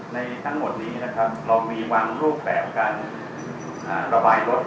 ในทั้งหมดนี้เราวีวางรูปแบบการระบายรถ